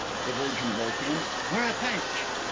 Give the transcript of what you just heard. the Virgin broke in; "or a punch?"